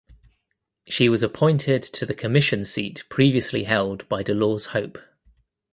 She was appointed to the commission seat previously held by Dolores Hope.